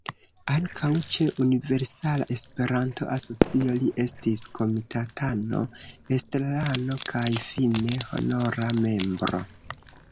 Ankaŭ ĉe Universala Esperanto-Asocio li estis komitatano, estrarano kaj fine Honora Membro.